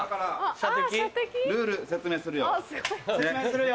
射的？ルール説明するよ。